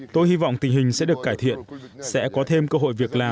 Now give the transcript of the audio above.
tôi hy vọng tình hình sẽ được cải thiện